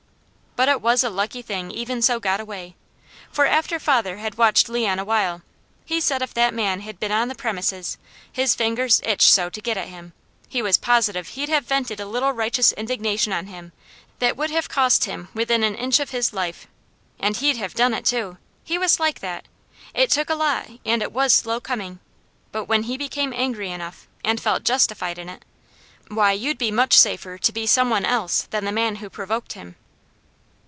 But it was a lucky thing Even So got away; for after father had watched Leon a while, he said if that man had been on the premises, his fingers itched so to get at him, he was positive he'd have vented a little righteous indignation on him that would have cost him within an inch of his life. And he'd have done it too! He was like that. It took a lot, and it was slow coming, but when he became angry enough, and felt justified in it, why you'd be much safer to be some one else than the man who provoked him.